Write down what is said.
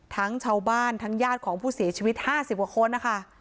ทั้งชาวบ้านทั้งญาติของผู้เสียชีวิต๕๐กว่าคนนะคะ